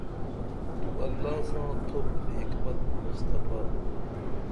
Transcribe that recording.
تو اللہ ساں تُھوپ حکمت مصطفےٰ